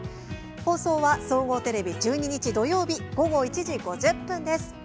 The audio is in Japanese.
放送は、総合テレビ１２日、土曜日午後１時５０分です。